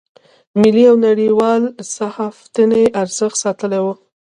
ملي او نړیوال صحافتي ارزښت ساتلی و.